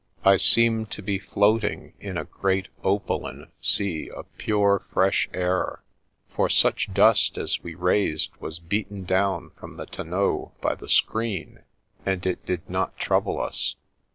I seemed to be floating in a great opaline sea of pure. r Mercddfts to the Rescue 25 fresh air; for such dust as we raised was beaten down from the tonneau by the screen, and it did not trouble us.